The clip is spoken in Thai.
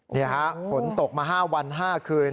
นี่ฮะฝนตกมา๕วัน๕คืน